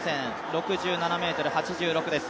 ６７ｍ８６です。